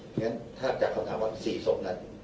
งั้นถ้าจะคำถามว่า๔สมนั้น